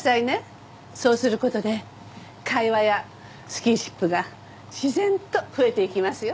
そうする事で会話やスキンシップが自然と増えていきますよ。